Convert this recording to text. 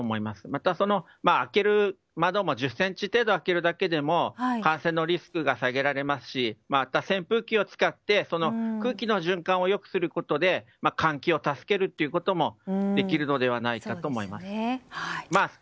また、開ける窓も１０ｃｍ程度開けるだけでも感染のリスクを下げられますし、扇風機を使って空気の循環を良くすることで換気を助けるということもできるのではないかと思います。